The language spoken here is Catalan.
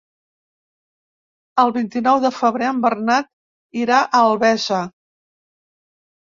El vint-i-nou de febrer en Bernat irà a Albesa.